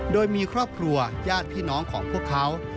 โดยมีครอบครัวญาติพี่น้องของพวกเขา